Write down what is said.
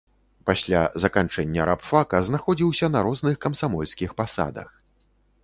Пасля заканчэння рабфака знаходзіўся на розных камсамольскіх пасадах.